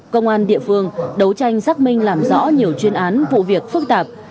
công an địa phương đấu tranh xác minh làm rõ nhiều chuyên án vụ việc phức tạp